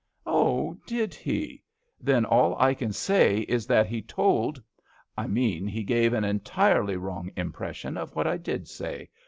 " Oh ! did he ? Then all I can say is that he told I mean he gave an entirely wrong impression of what I did say.